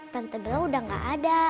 tante bella udah gak ada